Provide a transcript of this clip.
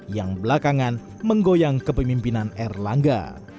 yang belakangan menggoyang kepemimpinan erlangga